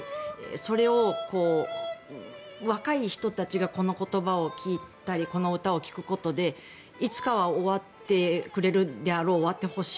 それを若い人たちがこの言葉を聞いたりこの歌を聴くことでいつかは終わってくれるであろう終わってほしい